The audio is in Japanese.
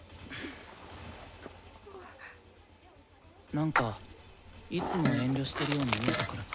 なんかいつも遠慮してるように見えたからさ。